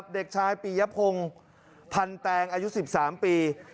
เด็กชายปียพงศ์พันแตงอายุ๑๓ปี